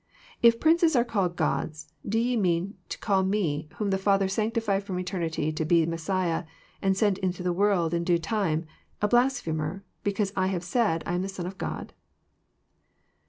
If ' princes are called gods, do ye mean to call Me whom the Father sanctified flrom eternity to be Messiah, and sent into the world In due time, a blasphemer, because I haYe said, I am the Son of God?"